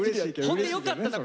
ほんでよかったな